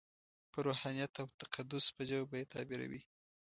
په روحانیت او تقدس په ژبه به یې تعبیروي.